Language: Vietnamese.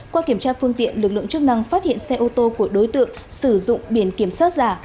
qua kiểm tra phương tiện lực lượng chức năng phát hiện xe ô tô của đối tượng sử dụng biển kiểm soát giả